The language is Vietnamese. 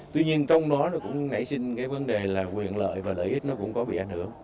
tuy nhiên trong đó nó cũng nảy sinh cái vấn đề là quyền lợi và lợi ích nó cũng có bị ảnh hưởng